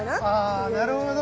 あなるほど。